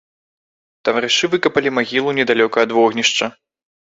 Таварышы выкапалі магілу недалёка ад вогнішча.